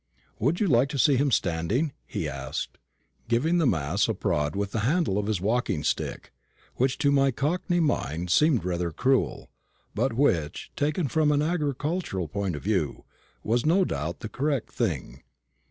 "Would you like to see him standing?" he asked, giving the mass a prod with the handle of his walking stick, which to my cockney mind seemed rather cruel, but which, taken from an agricultural point of view, was no doubt the correct thing.